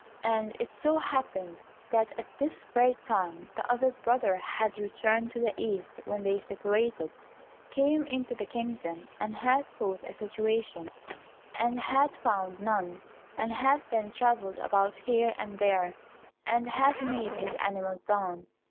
And it so happened that at this very time the other brother who had turned to the east when they separated, came into the kingdom. He had sought a situation, and had found none, and had then travelled about here and there, and had made his animals dance.